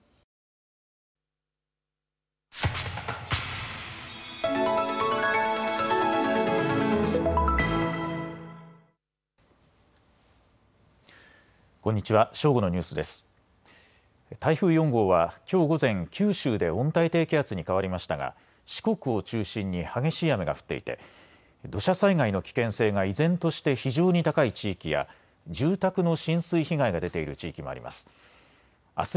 台風４号はきょう午前、九州で温帯低気圧に変わりましたが四国を中心に激しい雨が降っていて土砂災害の危険性が依然として非常に高い地域や住宅の浸水被害が出ている地域もあります。